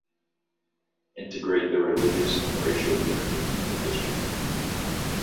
Integrate the religious and racial unity in the district.